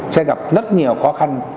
sẽ gặp rất nhiều khó khăn